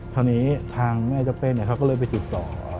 คราวนี้ทางแม่เจ้าเป้เขาก็เลยไปติดต่อ